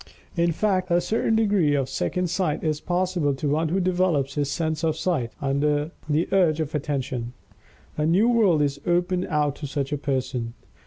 _In fact, a certain degree of second sight is possible to one who develops his sense of Sight, under the urge of Attention._ A new world is opened out to such a person.